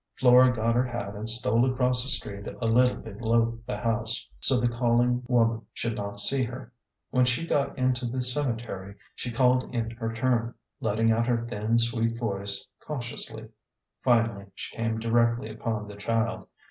Flora got her hat and stole across the street a little below the house, so the calling wom an should not see her. When she got into the cemetery she called in her turn, letting out her thin sweet voice cau tiously. Finally she came directly upon the child.